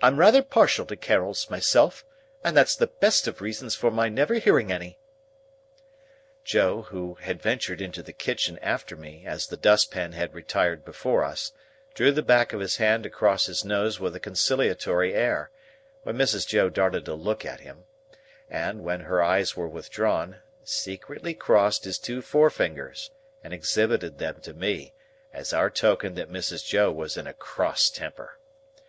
"I'm rather partial to Carols, myself, and that's the best of reasons for my never hearing any." Joe, who had ventured into the kitchen after me as the dustpan had retired before us, drew the back of his hand across his nose with a conciliatory air, when Mrs. Joe darted a look at him, and, when her eyes were withdrawn, secretly crossed his two forefingers, and exhibited them to me, as our token that Mrs. Joe was in a cross temper.